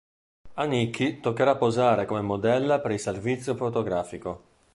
A Nikki toccherà posare come modella per il servizio fotografico.